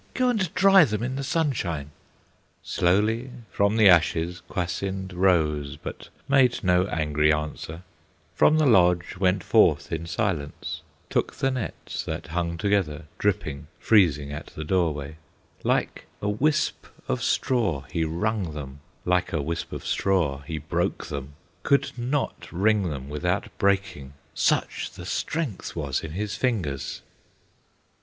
Go and dry them in the sunshine!" Slowly, from the ashes, Kwasind Rose, but made no angry answer; From the lodge went forth in silence, Took the nets, that hung together, Dripping, freezing at the doorway; Like a wisp of straw he wrung them, Like a wisp of straw he broke them, Could not wring them without breaking, Such the strength was in his fingers.